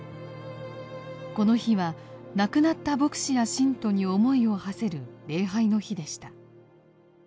この日は亡くなった牧師や信徒に思いをはせる礼拝の日でした。